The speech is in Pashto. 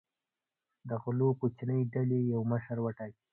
د غلو کوچنۍ ډلې یو مشر وټاکي.